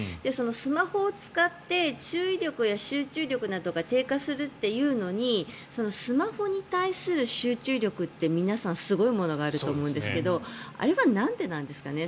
スマホを使って注意力や集中力などが低下するというのにスマホに対する集中力って皆さんすごいものがあると思うんですけどあれはなんでなんですかね？